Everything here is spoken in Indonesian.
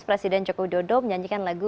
presiden jokowi dodo menyanyikan lagu